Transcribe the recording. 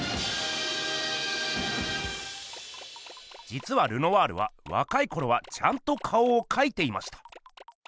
じつはルノワールはわかいころはちゃんと顔をかいていました。